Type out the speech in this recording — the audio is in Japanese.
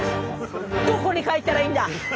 誰に書いたらいいんだ！？